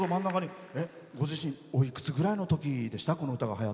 ご自身おいくつぐらいのときでした？